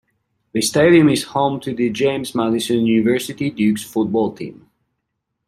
The stadium is home to the James Madison University Dukes football team.